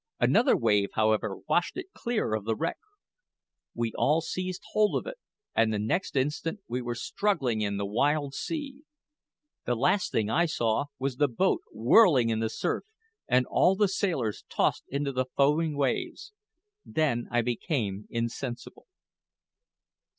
Another wave, however, washed it clear of the wreck. We all seized hold of it, and the next instant we were struggling in the wild sea. The last thing I saw was the boat whirling in the surf, and all the sailors tossed into the foaming waves. Then I became insensible.